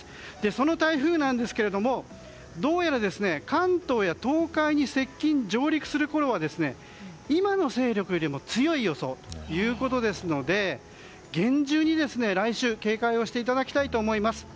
その台風なんですけどどうやら、関東や東海に接近・上陸するころは今の勢力よりも強い予想ということですので厳重に来週、警戒をしていただきたいと思います。